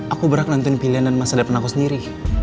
aku berhak nonton pilihan dan masa depan aku sendiri